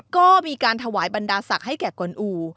ก็มีการถวายบรรดาศักดิ์ให้แก่กลอู่